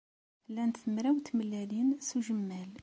Llant mraw n tmellalin s ujemmal.